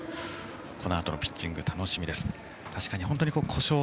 このあとのピッチング楽しみです。